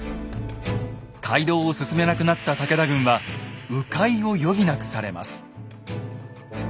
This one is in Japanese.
街道を進めなくなった武田軍はう回を余儀なくされます。